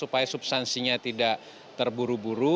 supaya substansinya tidak terburu buru